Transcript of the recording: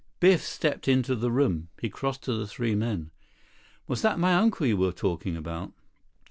Biff stepped into the room. He crossed to the three men. "Was that my uncle you were talking about?"